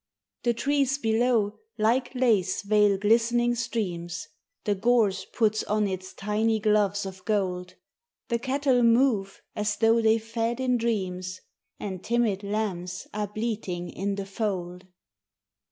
The trees below like lace veil glistening streams, The gorse puts on its tiny gloves of gold, The cattle move as though they fed in dreams, And timid lambs are bleating in the fold.